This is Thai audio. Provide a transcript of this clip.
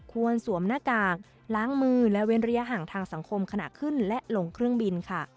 ควรสวมหน้ากากล้างมือและเว้นระยะห่างทางสังคมขณะขึ้นและลงเครื่องบินค่ะ